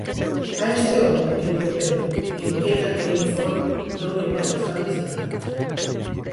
A este home, querido Pedro, quen queira que el foi doulle moitas grandes grazas.